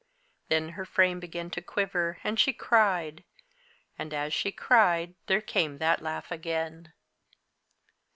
Then her frame began to quiver, and she cried; and as she cried there came that laugh again.